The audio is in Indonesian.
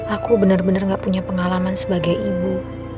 aku bener bener gak punya pengalaman sebagai ibu